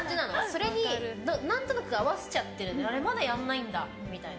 それに何となく合わせちゃってまだやらないんだみたいな。